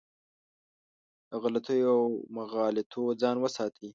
له غلطیو او مغالطو ځان وساتي.